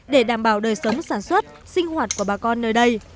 để đảm bảo đời sống sản xuất sinh hoạt của bà con nơi đây